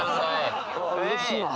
うれしいな。